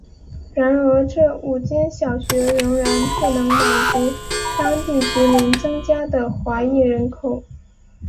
然而这五间小学仍然不能满足当地逐年增加的华裔人口。